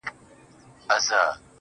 هغه د هر مسجد و څنگ ته ميکدې جوړي کړې,